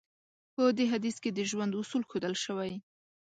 په دې حديث کې د ژوند اصول ښودل شوی.